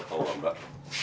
aku tahu mbak